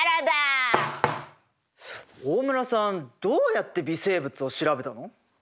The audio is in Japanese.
どうやって微生物を調べたの？